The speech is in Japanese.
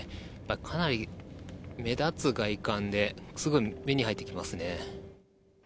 かなり目立つ外観ですぐ目に入ってきますね。